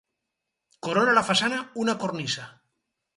Corona la façana una cornisa.